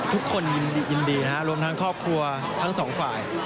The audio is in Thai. ทุกคนยินดีรวมทั้งครอบครัวทั้งสองฝ่าย